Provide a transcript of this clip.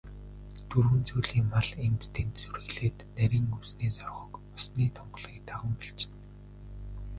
Дөрвөн зүйлийн мал энд тэнд сүрэглээд, нарийн өвсний соргог, усны тунгалгийг даган бэлчинэ.